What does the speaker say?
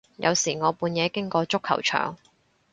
有時我半夜經過足球場